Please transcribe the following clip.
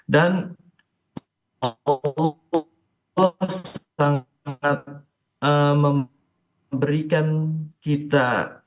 dan allah sangat memberikan kita